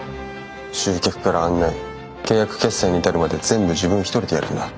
集客から案内契約決済に至るまで全部自分一人でやるんだ。